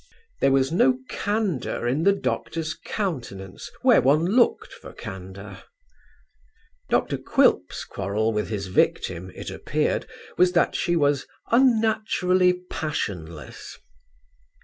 There was no candour in the doctor's countenance, where one looked for candour." Dr. Quilp's quarrel with his victim, it appeared, was that she was "unnaturally passionless."